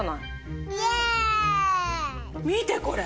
見てこれ。